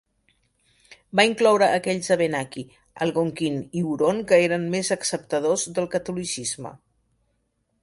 Va incloure aquells Abenaki, Algonquin i Huron que eren més acceptadors del catolicisme.